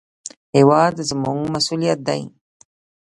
هېواد زموږ مسوولیت دی